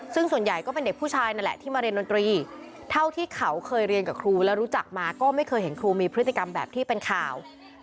ซึ่งส่วนใหญ่ก็เป็นเด็กผู้ชายนั่นแหละที่มาเรียนดนตรีเท่าที่เขาเคยเรียนกับครูและรู้จักมาก็ไม่เคยเห็นครูมีพฤติกรรมแบบที่เป็นข่าว